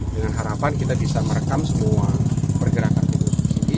dengan harapan kita bisa merekam semua pergerakan pupuk subsidi